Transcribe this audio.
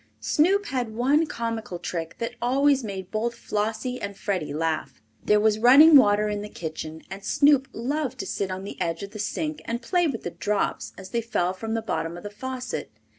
Snoop had one comical trick that always made both Flossie and Freddie laugh. There was running water in the kitchen, and Snoop loved to sit on the edge of the sink and play with the drops as they fell from the bottom of the faucet.